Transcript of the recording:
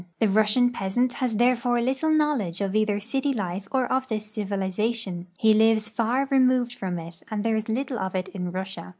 The Russian peasant has there fore little knowledge either of city life or of this civilization. He lives far removed from it, and there is little of it in Russia.